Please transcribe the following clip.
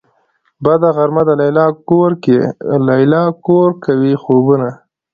بده غرمه ده ليلا کور کوي خوبونه